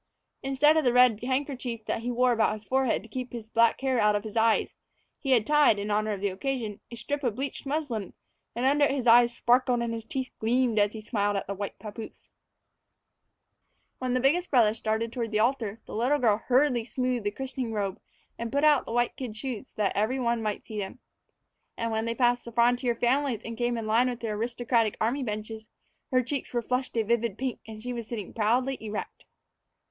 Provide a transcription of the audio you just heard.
Instead of the red handkerchief that he wore about his forehead to keep his black hair out of his eyes, he had tied, in honor of the occasion, a strip of bleached muslin, and under it his eyes sparkled and his teeth gleamed as he smiled at the white papoose. When the biggest brother started toward the altar, the little girl hurriedly smoothed the christening robe and put out the white kid shoes so that everybody might see them. And when they passed the frontier families and came in line with the aristocratic army benches, her cheeks were flushed a vivid pink, and she was sitting proudly erect.